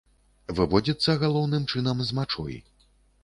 Выводзіцца, галоўным чынам, з мачой.